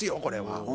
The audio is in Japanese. これは。